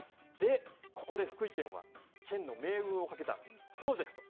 ここで福井県は県の命運をかけたプロジェクト。